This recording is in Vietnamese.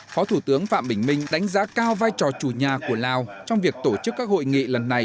phó thủ tướng phạm bình minh đánh giá cao vai trò chủ nhà của lào trong việc tổ chức các hội nghị lần này